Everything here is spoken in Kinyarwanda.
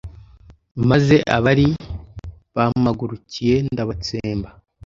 maze abari bampagurukiye ndabatsemba